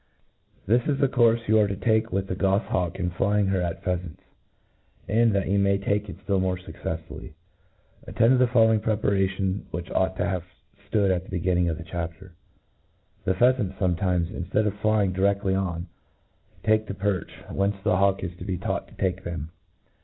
This is the courfc you arfe to take with the gofhawk in flying her at pheafants; and, that you may take it ftill more fuccefsfuUy, attend to the following preparation, which ought to hare ftood at the beginning of the chapter* The pheafants fometimcs, inft:ead of flying direftly on, take to perch; whence the h^wk is to be taught to take them.